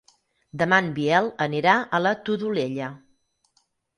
Demà en Biel anirà a la Todolella.